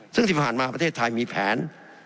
ซึ่งที่ผ่านมาประเทศไทยมีแผน